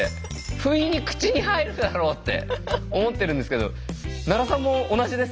ふいに口に入るだろうって思ってるんですけど奈良さんも同じですか？